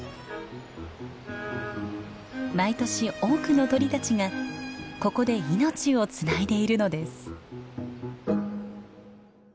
毎年多くの鳥たちがここで命をつないでいるのです。